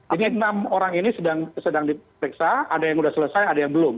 jadi enam orang ini sedang diperiksa ada yang sudah selesai ada yang belum